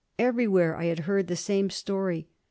Everywhere I had heard the same story.